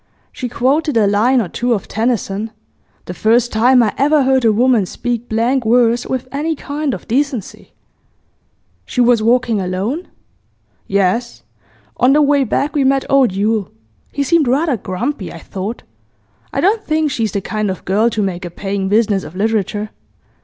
She quoted a line or two of Tennyson; the first time I ever heard a woman speak blank verse with any kind of decency.' 'She was walking alone?' 'Yes. On the way back we met old Yule; he seemed rather grumpy, I thought. I don't think she's the kind of girl to make a paying business of literature.